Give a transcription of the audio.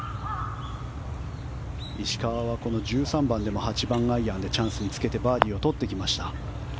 石川はこの１３番でも８番アイアンでチャンスにつけてバーディーを取ってきました。